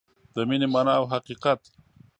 د مینې مانا او حقیقت